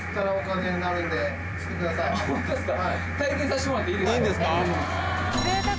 ホントですか？